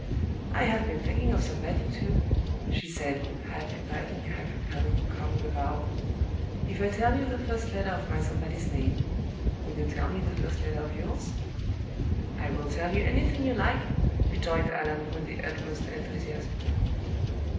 "I have been thinking of somebody, too," she said, half inviting, half repelling the coming avowal. "If I tell you the first letter of my Somebody's name, will you tell me the first letter of yours?" "I will tell you anything you like," rejoined Allan, with the utmost enthusiasm.